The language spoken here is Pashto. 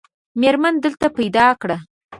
مېرمن دلته پیدا کړه.